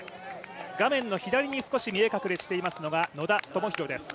画面の左に少し見え隠れしていますのが野田明宏です。